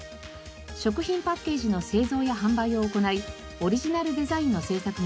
食品パッケージの製造や販売を行いオリジナルデザインの製作もしています。